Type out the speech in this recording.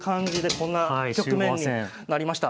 こんな局面になりました。